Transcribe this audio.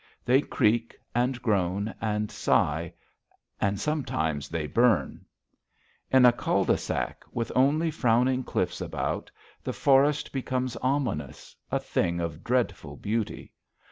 They creak and groan and sigh, and sometimes they burn. In a cul de sac, with only frowning cliffs about, the forest becomes ominous, a thing of dreadful beauty.